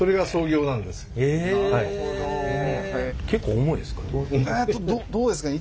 結構重いですかね？